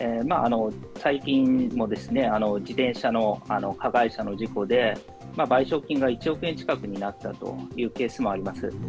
最近も自転車の加害者の事故で、賠償金が１億円近くになったというケースもあります。